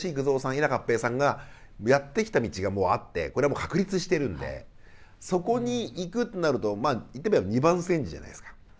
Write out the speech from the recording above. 伊奈かっぺいさんがやって来た道がもうあってこれはもう確立してるんでそこに行くってなるとまあ言ってみれば二番煎じじゃないですか。